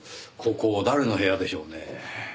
ここ誰の部屋でしょうねぇ？